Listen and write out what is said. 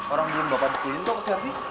orang gaan bapak di giving tau noh ke servis